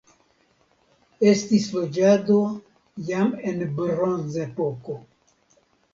Estis loĝado jam en Bronzepoko.